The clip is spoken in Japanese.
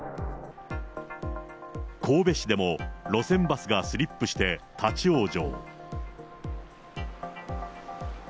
神戸市でも路線バスがスリップして立往生。